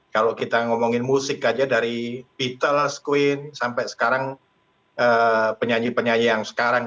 kalau kita ngomongin musik aja dari petles queen sampai sekarang penyanyi penyanyi yang sekarang